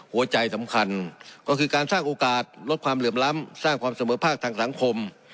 หัวใจสำคัญก็คือการสร้างโอกาสลดความเหลื่อมล้ำสร้างความเสมอภาคทางสังคม